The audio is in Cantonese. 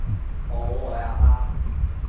我好愛阿爸